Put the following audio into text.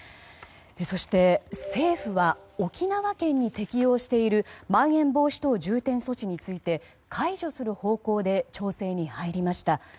そして政府は沖縄県に適用しているまん延防止等重点措置について解除する方向で調整に入りました。